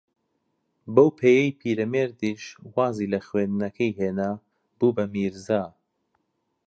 بەو پێیەی پیرەمێردیش وازی لە خوێندنەکەی ھێنا، بوو بە میرزا